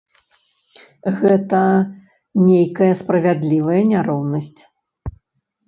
Гэта нейкая справядлівая няроўнасць.